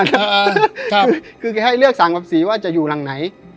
ครับคือแกให้เลือกสามกับสีว่าจะอยู่หลังไหน